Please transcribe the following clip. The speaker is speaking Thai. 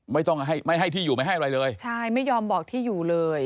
ไม่ต้องให้ไม่ให้ที่อยู่ไม่ให้อะไรเลยใช่ไม่ยอมบอกที่อยู่เลย